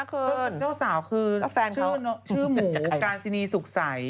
คือเจ้าสาวคือชื่อหมูการซินีสุขใส